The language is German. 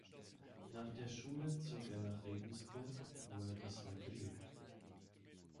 Nach der Schule zog er nach Regensburg, wo er bis heute lebt.